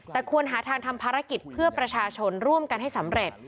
แต่ควรหาทางทำภารกิจเพื่อประชาชนร่วมกันให้สำเร็จ